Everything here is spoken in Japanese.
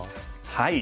はい！